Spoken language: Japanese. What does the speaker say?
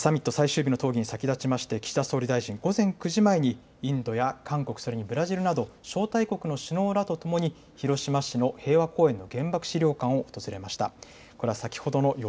サミット最終日の討議に先立ちまして岸田総理大臣、午前９時前にインドや韓国それにブラジルなど招待国の首脳らとともに広島市の平和公園の原爆資料館を訪れました。